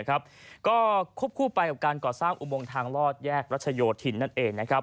ก็ควบคู่ไปกับการก่อสร้างอุโมงทางลอดแยกรัชโยธินนั่นเอง